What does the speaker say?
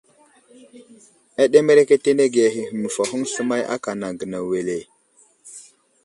Aɗemerekenege hehme məfahoŋ sləmay aka anaŋ gənaw wele ?